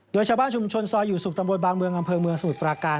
โดยชาวบ้านชุมชนซอยอยู่สุขตำบลบางเมืองอำเภอเมืองสมุทรปราการ